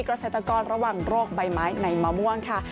เกษตรกรระวังโรคใบไม้ในมะม่วงค่ะ